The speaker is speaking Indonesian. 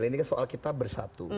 ini soal kita bersatu